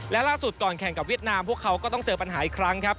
และล่าสุดก่อนแข่งกับเวียดนามพวกเขาก็ต้องเจอปัญหาอีกครั้งครับ